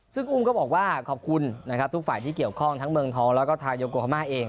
ซึ่งอุ้มก็บอกว่าขอบคุณนะครับทุกฝ่ายที่เกี่ยวข้องทั้งเมืองทองแล้วก็ทางโยโกฮามาเอง